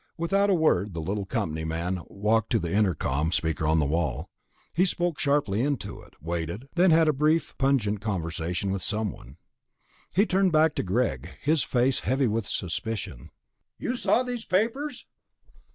Without a word, the little company man walked to the intercom speaker on the wall. He spoke sharply into it, waited, then had a brief, pungent conversation with someone. Then he turned back to Greg, his face heavy with suspicion. "You saw these papers?"